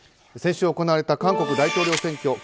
先週行われた韓国大統領選挙。